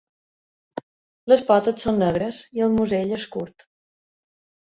Les potes són negres i el musell és curt.